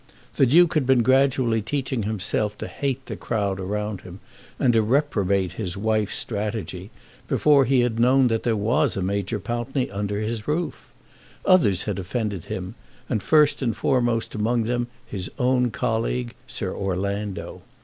The Duke had been gradually teaching himself to hate the crowd around him and to reprobate his wife's strategy, before he had known that there was a Major Pountney under his roof. Others had offended him, and first and foremost among them his own colleague, Sir Orlando.